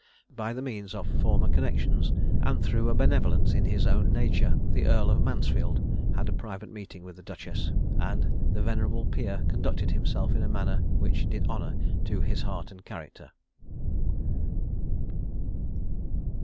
By the means of former connexions, and through a benevolence in his own nature, the Earl of Mansfield had a private meeting with the duchess; and the venerable peer conducted himself in a manner which did honour to his heart and character.